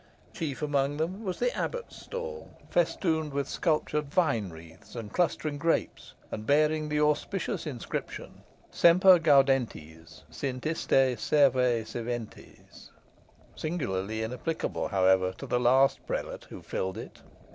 Chief among them was the abbot's stall, festooned with sculptured vine wreaths and clustering grapes, and bearing the auspicious inscription: Semper gaudentes sint ista sede sedentes: singularly inapplicable, however, to the last prelate who filled it.